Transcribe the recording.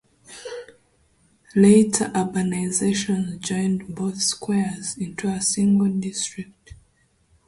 Later urbanizations joined both squares into a single district.